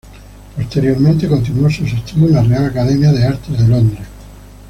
Posteriormente continuó sus estudios en la Real Academia de Artes de Londres.